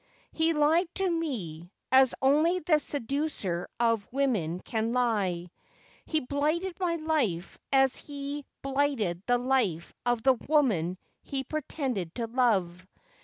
He lied to me, as only the seducer of women can lie. He blighted my life as he blighted the life of the woman he pretended to love.